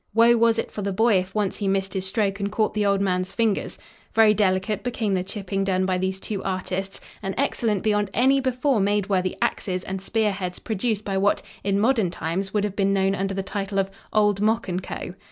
Woe was it for the boy if once he missed his stroke and caught the old man's fingers! Very delicate became the chipping done by these two artists, and excellent beyond any before made were the axes and spearheads produced by what, in modern times, would have been known under the title of "Old Mok & Co."